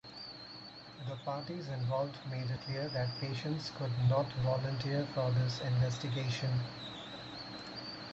The parties involved made it clear that patients could not volunteer for this investigation.